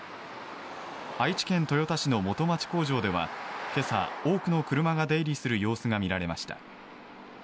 愛知県豊田市の元町工場では今朝、多くの車が出入りする様子が見られました。